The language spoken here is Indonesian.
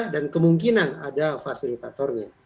dan kemungkinan ada fasilitatornya